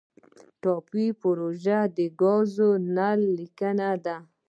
ټاپي پروژه د ګازو نل لیکه ده